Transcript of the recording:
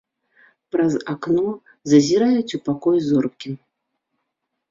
Праз акно зазіраюць у пакой зоркі.